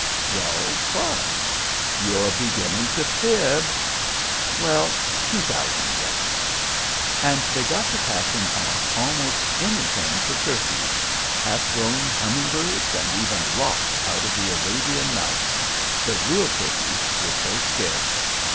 "Well, what?" "You're beginning to fib." "Well, two thousand, then." And they got to passing off almost anything for turkeys half grown humming birds, and even rocs out of the Arabian Nights the real turkeys were so scarce.